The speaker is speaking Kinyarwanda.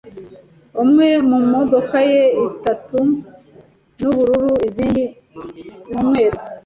Imwe mumodoka ye itatu nubururu izindi ni umweru.